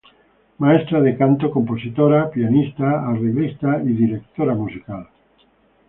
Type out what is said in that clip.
Maestra de canto, compositora, pianista, arreglista y directora musical.